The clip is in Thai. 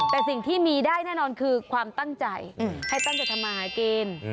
แต่สิ่งที่มีได้แน่นอนคือความตั้งใจให้ตั้งใจทำมาหากิน